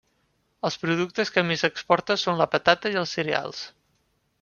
Els productes que més exporta són la patata i els cereals.